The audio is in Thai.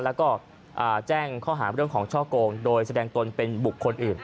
แล้วก็แจ้งข้อหาเรื่องของช่อโกงโดยแสดงตนเป็นบุคคลอื่น